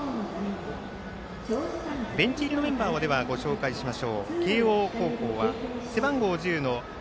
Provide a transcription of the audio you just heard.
ベンチ入りのメンバーをご紹介します。